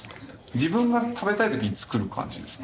自分が食べたい時に作る感じですか？